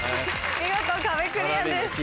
見事壁クリアです。